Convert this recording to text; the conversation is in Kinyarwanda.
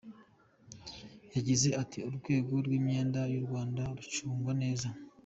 Yagize ati “Urwego rw’imyenda y’u Rwanda rucungwa neza.